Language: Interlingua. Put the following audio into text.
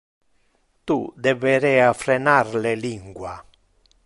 Tu deberea frenar le lingua.